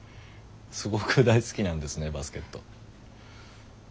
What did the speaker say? すごく大好きなんですねバスケット。